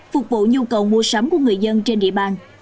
phục vụ nhu cầu mua sắm của người dân trên địa bàn